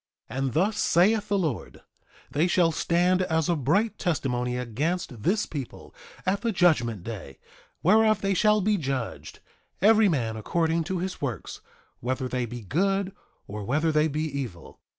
3:24 And thus saith the Lord: They shall stand as a bright testimony against this people, at the judgment day; whereof they shall be judged, every man according to his works, whether they be good, or whether they be evil.